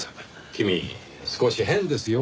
君少し変ですよ。